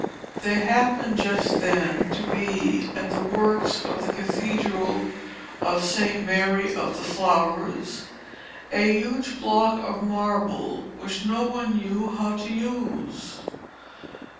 There happened just then to be at the works of the Cathedral of St. Mary of the Flowers a huge block of marble which no one knew how to use.